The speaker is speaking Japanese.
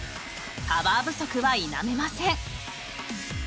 パワー不足は否めません。